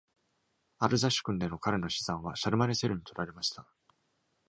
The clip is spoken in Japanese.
アルザシュクンでの彼の資産は、シャルマネセルに取られました。